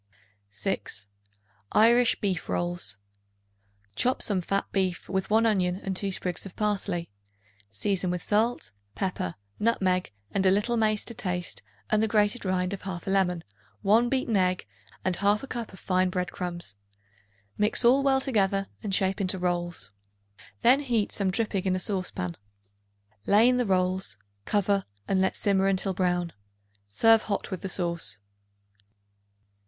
6. Irish Beef Rolls. Chop some fat beef with 1 onion and 2 sprigs of parsley. Season with salt, pepper, nutmeg and a little mace to taste and the grated rind of 1/2 lemon, 1 beaten egg and 1/2 cup of fine bread crumbs. Mix all well together and shape into rolls. Then heat some dripping in a saucepan; lay in the rolls; cover and let simmer until brown. Serve hot with the sauce.